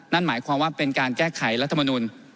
นั่นหมายความว่าเป็นการแก้ไขรัฐมนุน